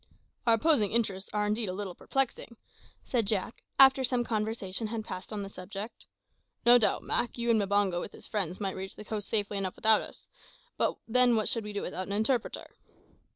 "Our opposing interests are indeed a little perplexing," said Jack, after some conversation had passed on the subject. "No doubt, Mak, you and Mbango with his friends might reach the coast safely enough without us; but then what should we do without an interpreter?"